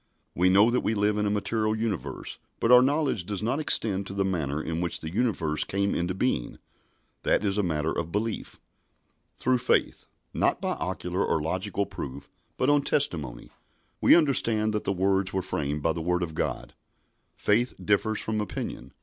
We know that we live in a material universe, but our knowledge does not extend to the manner in which the universe came into being. That is a matter of belief. "Through faith" not by ocular or logical proof, but on testimony "we understand that the worlds were framed by the Word of God." Faith differs from opinion.